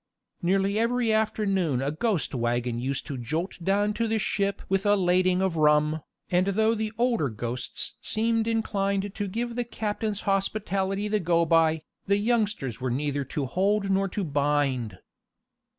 Nearly every afternoon a ghost wagon used to jolt down to the ship with a lading of rum, and though the older ghosts seemed inclined to give the captain's hospitality the go by, the youngsters were neither to hold nor to bind.